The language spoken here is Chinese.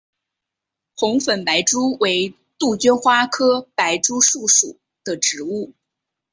红粉白珠为杜鹃花科白珠树属的植物。